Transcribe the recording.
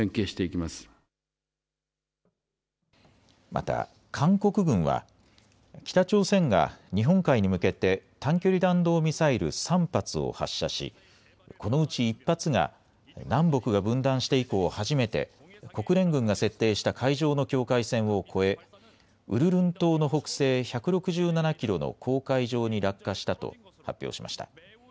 また韓国軍は北朝鮮が日本海に向けて短距離弾道ミサイル３発を発射しこのうち１発が南北が分断して以降、初めて国連軍が設定した海上の境界線を越えウルルン島の北西１６７キロの公海上に落下したと発表しました。